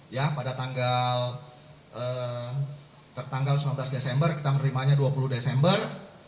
ya pada tanggal sembilan belas desember kita menerimanya dua puluh desember